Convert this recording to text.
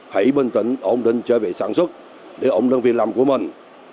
hãy bình tĩnh ổn định trở về sản xuất để ổn định việc làm của mình